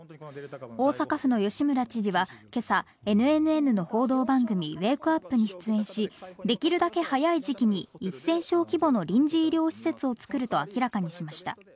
大阪府の吉村知事はけさ、ＮＮＮの報道番組、ウェークアップに出演し、できるだけ早い時期に、１０００床規模の臨時医療施設を作ると明らかにしました。